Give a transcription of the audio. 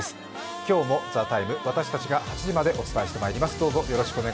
今日も「ＴＨＥＴＩＭＥ，」、私たちが８時までお伝えしてまいります。